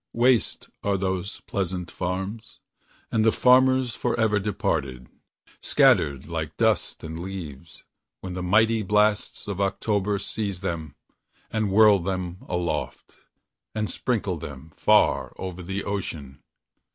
Waste are those pleasant farms, and the farmers forever departed! Scattered like dust and leaves, when the mighty blasts of October Seize them, and whirl them aloft, and sprinkle them far o'er the ocean.